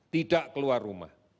tidak keluar rumah